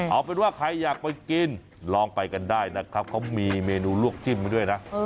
เอาเป็นว่าใครอยากไปกินลองไปกันได้นะครับเขามีเมนูลวกจิ้มมาด้วยนะ